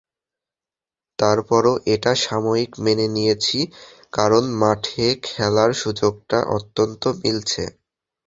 তারপরও এটা সাময়িক মেনে নিয়েছি, কারণ মাঠে খেলার সুযোগটা অন্তত মিলছে।